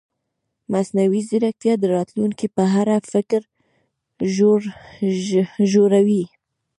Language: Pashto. مصنوعي ځیرکتیا د راتلونکي په اړه فکر ژوروي.